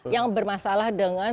yang bermasalah dengan